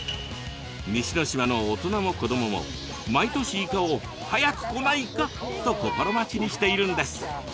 西ノ島の大人も子どもも毎年イカを「早く来なイカ」と心待ちにしているんです。